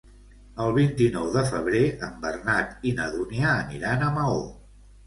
El vint-i-nou de febrer en Bernat i na Dúnia aniran a Maó.